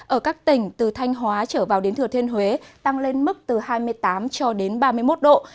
ở các tỉnh từ thanh hóa trở vào đến thừa thiên huế tăng lên mức từ hai mươi tám cho đến ba mươi một độ